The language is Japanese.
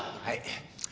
はい。